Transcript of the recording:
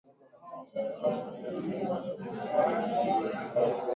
Mapigano baina ya polisi yameuwa takribani watu mia moja